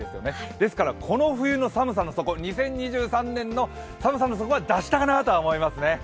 ですからこの冬の寒さの底２０２３年の寒さの底は脱したかなとは思いますね。